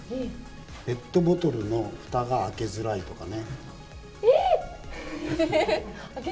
ペットボトルのふたが開けづらいとかね。